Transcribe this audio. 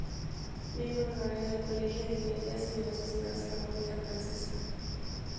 Miembro Honorario del Colegio de Ingenieros; y de la Sociedad Astronómica francesa.